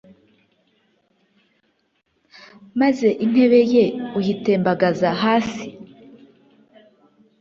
maze intebe ye uyitembagaza hasi